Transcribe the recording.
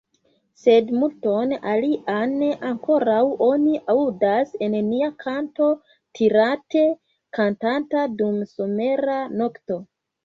Sed multon alian ankoraŭ oni aŭdas en nia kanto, tirate kantata dum somera nokto!